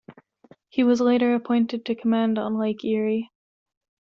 He was later appointed to command on Lake Erie.